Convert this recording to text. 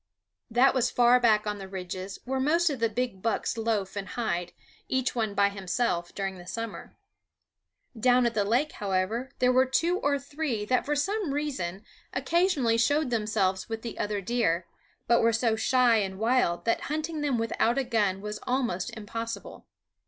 That was far back on the ridges, where most of the big bucks loaf and hide, each one by himself, during the summer. Down at the lake, however, there were two or three that for some reason occasionally showed themselves with the other deer, but were so shy and wild that hunting them without a gun was almost impossible.